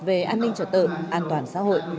về an ninh trật tự an toàn xã hội